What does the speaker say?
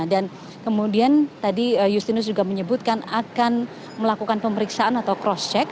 dan kemudian tadi yusinus juga menyebutkan akan melakukan pemeriksaan atau cross check